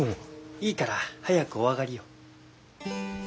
いいから早くお上がりよ。